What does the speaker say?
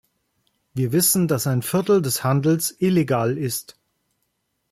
Wir wissen, dass ein Viertel des Handels illegal ist.